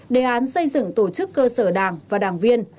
đề án xây dựng tổ chức cơ sở đảng và đảng viên